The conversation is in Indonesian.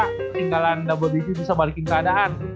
ketinggalan double tv bisa balikin keadaan